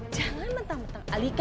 jangan mentang mentang alika